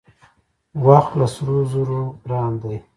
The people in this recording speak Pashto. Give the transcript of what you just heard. وخت له سرو زرو ګران دی .